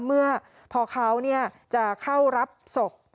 เมื่อพอเขาจะเข้ารับศพ